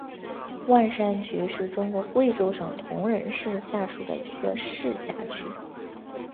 万山区是中国贵州省铜仁市下属的一个市辖区。